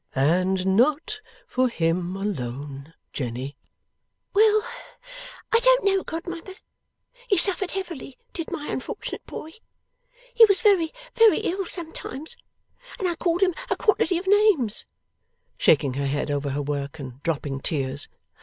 'And not for him alone, Jenny.' 'Well! I don't know, godmother. He suffered heavily, did my unfortunate boy. He was very, very ill sometimes. And I called him a quantity of names;' shaking her head over her work, and dropping tears.